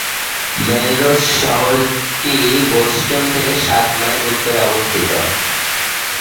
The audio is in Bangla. মেলরোজ শহরটি বোস্টন থেকে সাত মাইল উত্তরে অবস্থিত।